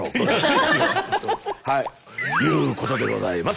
いうことでございます。